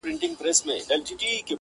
ځواني مرګ دي سم چي نه به در جارېږم-